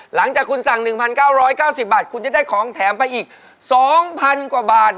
หลังจากคุณสั่ง๑๙๙๐บาทคุณจะได้ของแถมไปอีก๒๐๐๐กว่าบาท